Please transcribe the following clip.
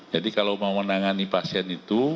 jadi kalau mau menangani pasien itu